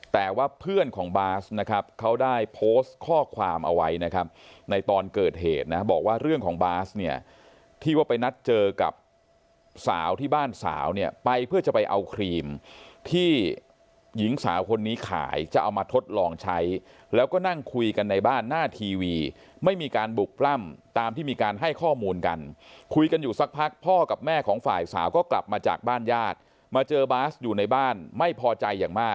แต่ว่าเพื่อนของบาสนะครับเขาได้โพสต์ข้อความเอาไว้นะครับในตอนเกิดเหตุนะบอกว่าเรื่องของบาสเนี่ยที่ว่าไปนัดเจอกับสาวที่บ้านสาวเนี่ยไปเพื่อจะไปเอาครีมที่หญิงสาวคนนี้ขายจะเอามาทดลองใช้แล้วก็นั่งคุยกันในบ้านหน้าทีวีไม่มีการบุกปล้ำตามที่มีการให้ข้อมูลกันคุยกันอยู่สักพักพ่อกับแม่ของฝ่ายสาวก็กลับมาจากบ้านญาติมาเจอบาสอยู่ในบ้านไม่พอใจอย่างมาก